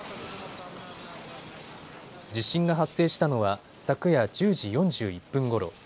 地震が発生したのは昨夜１０時４１分ごろ。